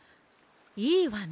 いいわね。